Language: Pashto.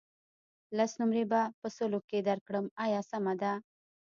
لس نمرې به په سلو کې درکړم آیا سمه ده.